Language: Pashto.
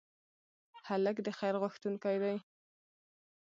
هلک د خیر غوښتونکی دی.